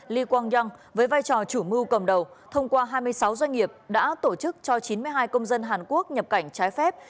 li quang yung với vai trò chủ mưu cầm đầu thông qua hai mươi sáu doanh nghiệp đã tổ chức cho chín mươi hai công dân hàn quốc nhập cảnh trái phép